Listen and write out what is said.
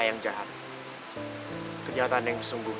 dan juga di tempat yang baik